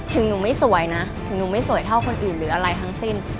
ถึงหนูไม่สวยนะถึงหนูไม่สวยเท่าคนอื่นหรืออะไรทั้งสิ้น